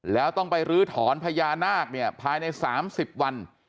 แล้วต้องไปลื้อถอนพญานาคเนี่ยภายใน๓๐วัน